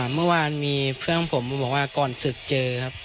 เมื่อวานมีเพื่อนของผมว่าก่อนศึกเจอ